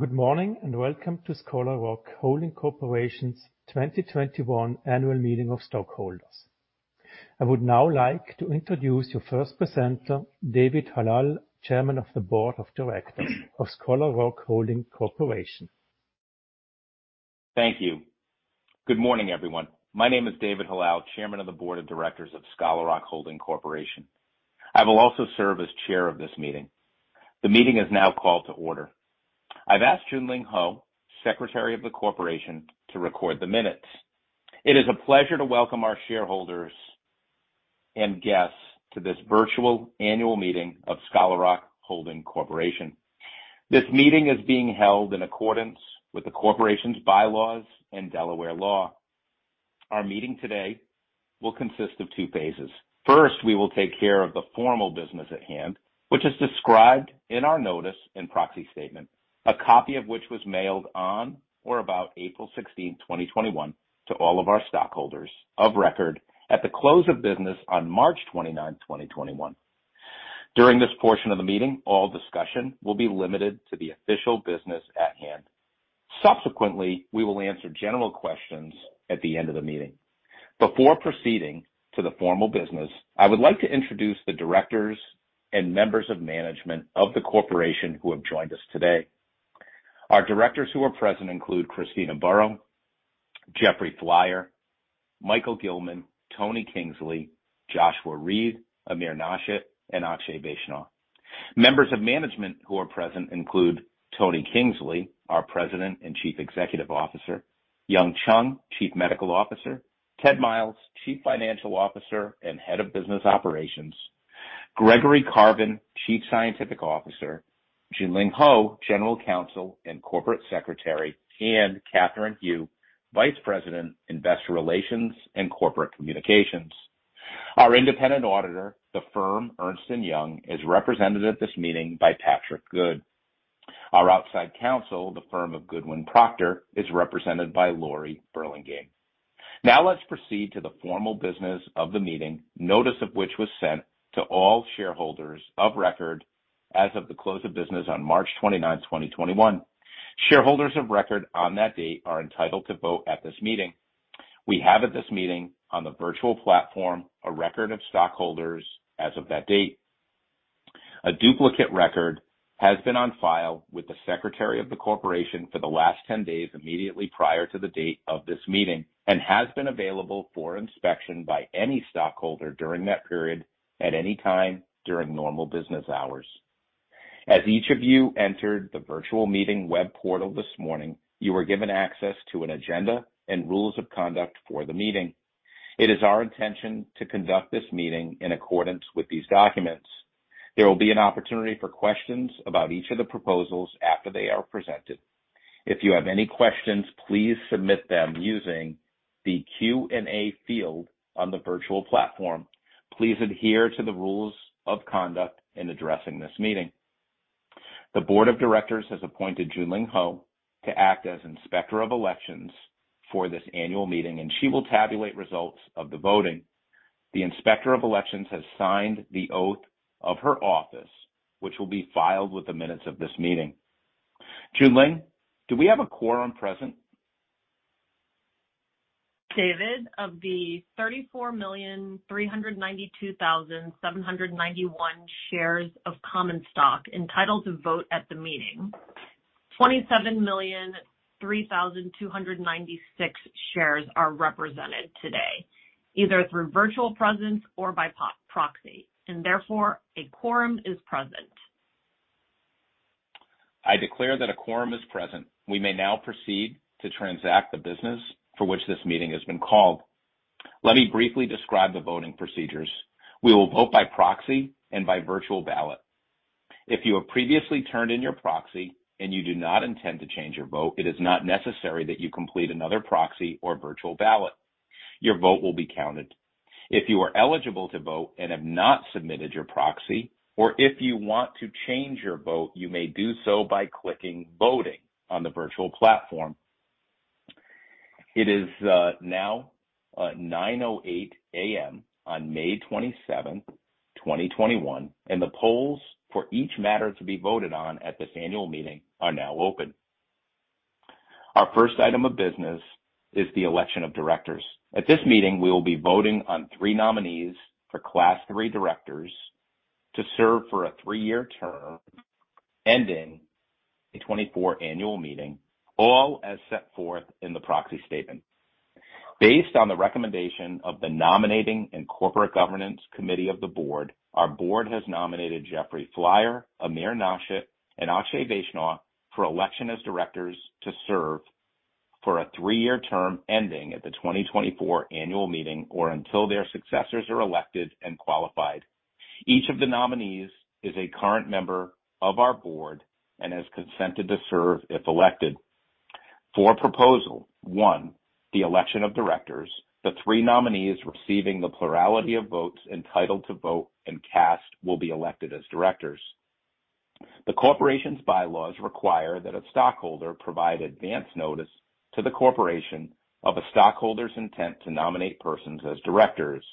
Good morning and welcome to Scholar Rock Holding Corporation's 2021 Annual Meeting of Stockholders. I would now like to introduce your first presenter, David Hallal, Chairman of the Board of Directors of Scholar Rock Holding Corporation. Thank you. Good morning, everyone. My name is David Hallal, Chairman of the Board of Directors of Scholar Rock Holding Corporation. I will also serve as Chair of this meeting. The meeting is now called to order. I've asked Junlin Ho, Secretary of the corporation, to record the minutes. It is a pleasure to welcome our shareholders and guests to this virtual annual meeting of Scholar Rock Holding Corporation. This meeting is being held in accordance with the corporation's bylaws and Delaware law. Our meeting today will consist of two phases. First, we will take care of the formal business at hand, which is described in our notice and proxy statement, a copy of which was mailed on or about April 16th, 2021 to all of our stockholders of record at the close of business on March 29th, 2021. During this portion of the meeting, all discussion will be limited to the official business at hand. Subsequently, we will answer general questions at the end of the meeting. Before proceeding to the formal business, I would like to introduce the directors and members of management of the corporation who have joined us today. Our directors who are present include Kristina Burow, Jeffrey Flier, Michael Gilman, Tony Kingsley, Joshua Reed, Amir Nashat, and Akshay Vaishnaw. Members of management who are present include Tony Kingsley, our President and Chief Executive Officer, Yung Chyung, Chief Medical Officer, Ted Myles, Chief Financial Officer and Head of Business Operations, Gregory Carven, Chief Scientific Officer, Junlin Ho, General Counsel and Corporate Secretary, and Catherine Hu, Vice President, Investor Relations and Corporate Communications. Our independent auditor, the firm Ernst & Young, is represented at this meeting by Patrick Good. Our outside counsel, the firm of Goodwin Procter, is represented by Laurie Burlingame. Now let's proceed to the formal business of the meeting, notice of which was sent to all shareholders of record as of the close of business on March 29th, 2021. Shareholders of record on that date are entitled to vote at this meeting. We have at this meeting, on the virtual platform, a record of stockholders as of that date. A duplicate record has been on file with the Secretary of the Corporation for the last 10 days immediately prior to the date of this meeting and has been available for inspection by any stockholder during that period at any time during normal business hours. As each of you entered the virtual meeting web portal this morning, you were given access to an agenda and rules of conduct for the meeting. It is our intention to conduct this meeting in accordance with these documents. There will be an opportunity for questions about each of the proposals after they are presented. If you have any questions, please submit them using the Q&A field on the virtual platform. Please adhere to the rules of conduct in addressing this meeting. The Board of Directors has appointed Junlin Ho to act as Inspector of Elections for this annual meeting, and she will tabulate results of the voting. The Inspector of Elections has signed the oath of her office, which will be filed with the minutes of this meeting. Junlin, do we have a quorum present? David, of the 34,392,791 shares of common stock entitled to vote at the meeting, 27,003,296 shares are represented today, either through virtual presence or by proxy, and therefore a quorum is present. I declare that a quorum is present. We may now proceed to transact the business for which this meeting has been called. Let me briefly describe the voting procedures. We will vote by proxy and by virtual ballot. If you have previously turned in your proxy and you do not intend to change your vote, it is not necessary that you complete another proxy or virtual ballot. Your vote will be counted. If you are eligible to vote and have not submitted your proxy, or if you want to change your vote, you may do so by clicking voting on the virtual platform. It is now 9:08 A.M. on May 27th, 2021, and the polls for each matter to be voted on at this annual meeting are now open. Our first item of business is the election of directors. At this meeting, we will be voting on three nominees for Class 3 directors to serve for a three-year term ending the 2024 annual meeting, all as set forth in the proxy statement. Based on the recommendation of the Nominating and Corporate Governance Committee of the board, our board has nominated Jeffrey Flier, Amir Nashat, and Akshay Vaishnaw for election as directors to serve for a three-year term ending at the 2024 annual meeting or until their successors are elected and qualified. Each of the nominees is a current member of our board and has consented to serve if elected. For proposal one, the election of directors, the three nominees receiving the plurality of votes entitled to vote and cast will be elected as directors. The corporation's bylaws require that a stockholder provide advance notice to the corporation of a stockholder's intent to nominate persons as directors.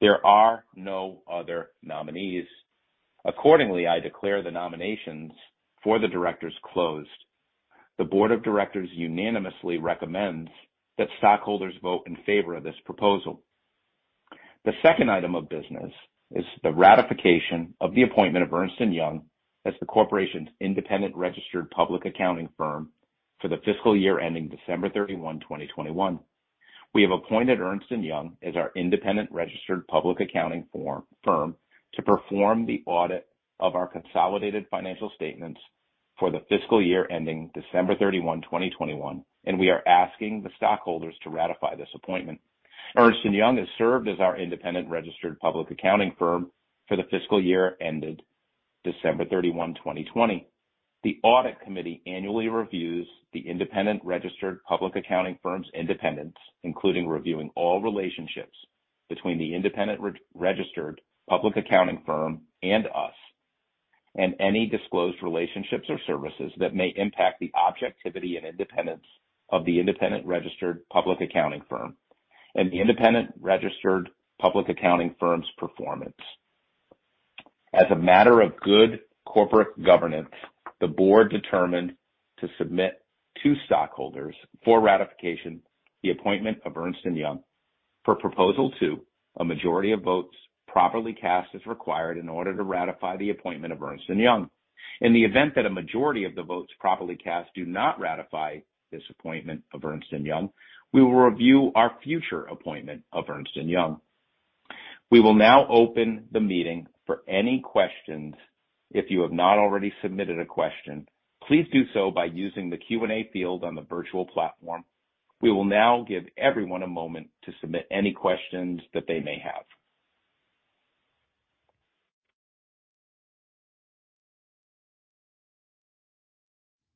There are no other nominees. Accordingly, I declare the nominations for the directors closed. The Board of Directors unanimously recommends that stockholders vote in favor of this proposal. The second item of business is the ratification of the appointment of Ernst & Young as the corporation's independent registered public accounting firm for the fiscal year ending December 31, 2021. We have appointed Ernst & Young as our independent registered public accounting firm to perform the audit of our consolidated financial statements for the fiscal year ending December 31, 2021, and we are asking the stockholders to ratify this appointment. Ernst & Young has served as our independent registered public accounting firm for the fiscal year ended December 31, 2020. The audit committee annually reviews the independent registered public accounting firm's independence, including reviewing all relationships between the independent registered public accounting firm and us, and any disclosed relationships or services that may impact the objectivity and independence of the independent registered public accounting firm and the independent registered public accounting firm's performance. As a matter of good corporate governance, the board determined to submit to stockholders for ratification the appointment of Ernst & Young. Per Proposal 2, a majority of votes properly cast is required in order to ratify the appointment of Ernst & Young. In the event that a majority of the votes properly cast do not ratify this appointment of Ernst & Young, we will review our future appointment of Ernst & Young. We will now open the meeting for any questions. If you have not already submitted a question, please do so by using the Q&A field on the virtual platform. We will now give everyone a moment to submit any questions that they may have.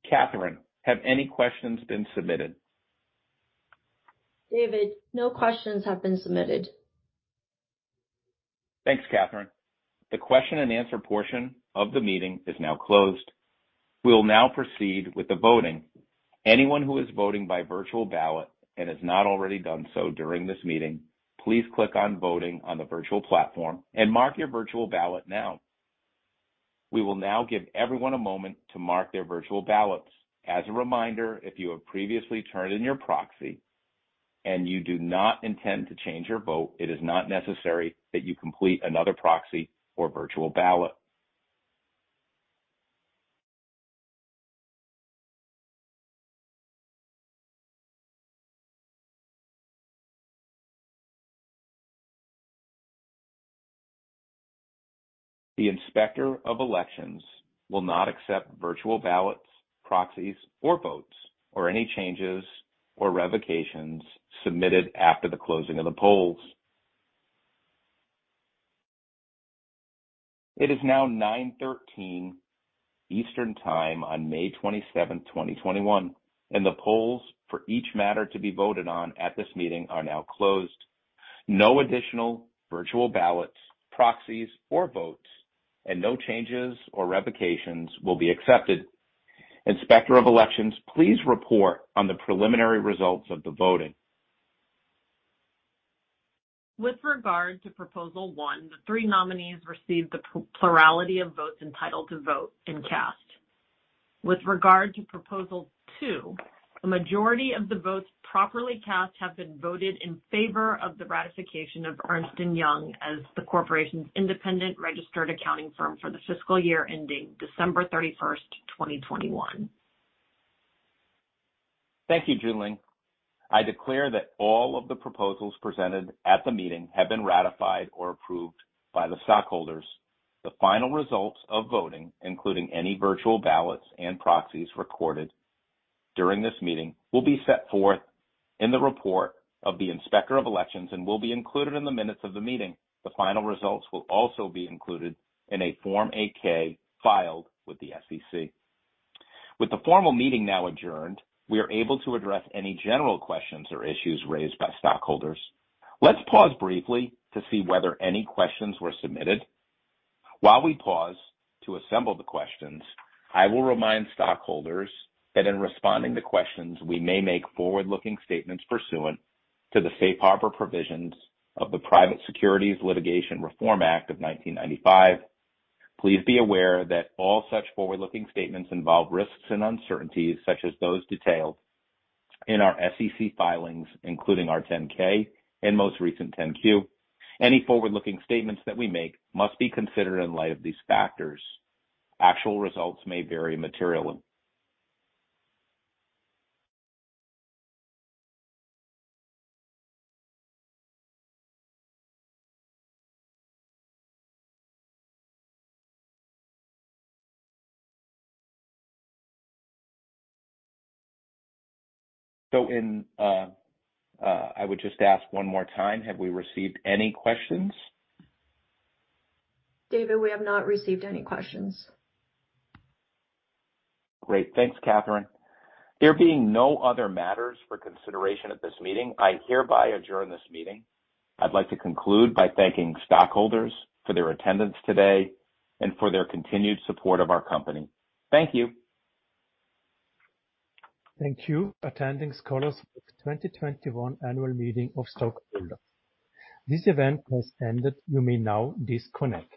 Catherine, have any questions been submitted? David, no questions have been submitted. Thanks, Catherine. The question and answer portion of the meeting is now closed. We will now proceed with the voting. Anyone who is voting by virtual ballot and has not already done so during this meeting, please click on Voting on the virtual platform and mark your virtual ballot now. We will now give everyone a moment to mark their virtual ballots. As a reminder, if you have previously turned in your proxy and you do not intend to change your vote, it is not necessary that you complete another proxy or virtual ballot. The Inspector of Elections will not accept virtual ballots, proxies, or votes, or any changes or revocations submitted after the closing of the polls. It is now 9:13 Eastern Time on May 27th, 2021. The polls for each matter to be voted on at this meeting are now closed. No additional virtual ballots, proxies, or votes, and no changes or revocations will be accepted. Inspector of Elections, please report on the preliminary results of the voting. With regard to Proposal One, the three nominees received the plurality of votes entitled to vote and cast. With regard to Proposal 2, a majority of the votes properly cast have been voted in favor of the ratification of Ernst & Young as the corporation's independent registered accounting firm for the fiscal year ending December 31st, 2021. Thank you, Junlin. I declare that all of the proposals presented at the meeting have been ratified or approved by the stockholders. The final results of voting, including any virtual ballots and proxies recorded during this meeting, will be set forth in the report of the Inspector of Elections and will be included in the minutes of the meeting. The final results will also be included in a Form 8-K filed with the SEC. With the formal meeting now adjourned, we are able to address any general questions or issues raised by stockholders. Let's pause briefly to see whether any questions were submitted. While we pause to assemble the questions, I will remind stockholders that in responding to questions, we may make forward-looking statements pursuant to the safe harbor provisions of the Private Securities Litigation Reform Act of 1995. Please be aware that all such forward-looking statements involve risks and uncertainties, such as those detailed in our SEC filings, including our 10-K and most recent 10-Q. Any forward-looking statements that we make must be considered in light of these factors. Actual results may vary materially. I would just ask one more time, have we received any questions? David, we have not received any questions. Great. Thanks, Catherine. There being no other matters for consideration at this meeting, I hereby adjourn this meeting. I'd like to conclude by thanking stockholders for their attendance today and for their continued support of our company. Thank you. Thank you, attending scholars of the 2021 annual meeting of stockholder. This event has ended. You may now disconnect.